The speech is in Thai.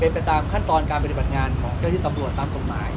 ในโดยเป็นตามขั้นตอนการบันดิบัตรงานของเจ้าที่สมรวจตามสมราย